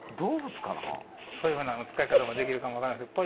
そういうふうな使い方もできるかも分からんですけど